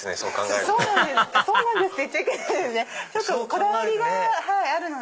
こだわりがあるので。